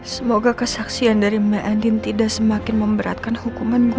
semoga kesaksian dari mbak edin tidak semakin memberatkan hukuman